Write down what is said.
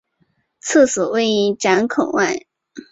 厕所位于闸口外。